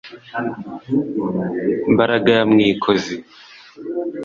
mbaraga ya mwikozi